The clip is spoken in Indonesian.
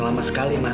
sesuatu malu keajaiban